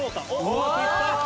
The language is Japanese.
うまくいった！